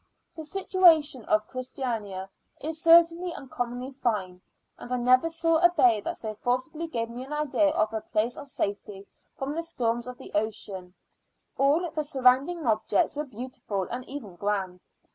The situation of Christiania is certainly uncommonly fine, and I never saw a bay that so forcibly gave me an idea of a place of safety from the storms of the ocean; all the surrounding objects were beautiful and even grand.